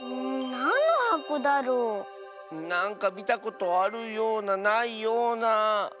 なんのはこだろう？なんかみたことあるようなないような。